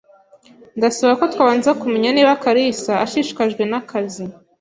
Ndasaba ko twabanza kumenya niba kalisa ashishikajwe nakazi.